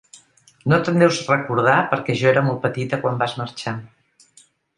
No te'n deus recordar perquè jo era molt petita quan vas marxar.